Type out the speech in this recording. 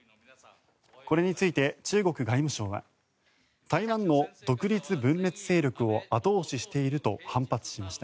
これについて中国外務省は台湾の独立分裂勢力を後押ししていると反発しました。